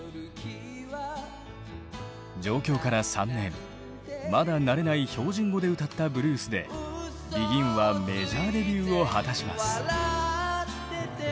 上京から３年まだ慣れない標準語で歌ったブルースでＢＥＧＩＮはメジャーデビューを果たします。